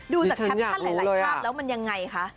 ดูจากแคปชั่นหลายภาพแล้วมันยังไงคะ